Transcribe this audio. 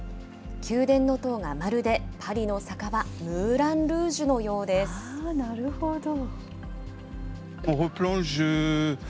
宮殿の塔が、まるでパリの酒場、ムーラン・ルージュのようでなるほど。